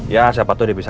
ya siapa tuh dia bisa